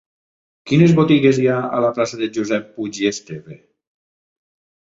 Quines botigues hi ha a la plaça de Josep Puig i Esteve?